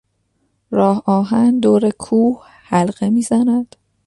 راه آهن دور کوه حلقه میزند.